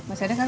masih ada gak